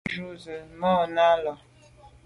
Jù jujù ze màa na là.